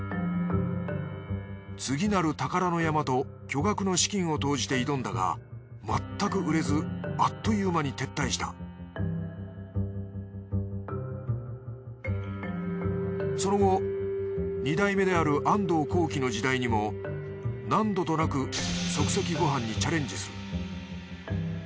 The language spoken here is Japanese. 次なる宝の山と巨額の資金を投じて挑んだがまったく売れずあっという間に撤退したその後２代目である安藤宏基の時代にも何度となく即席ご飯にチャレンジする。